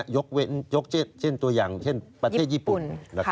ยกเว้นยกเช่นตัวอย่างเช่นประเทศญี่ปุ่น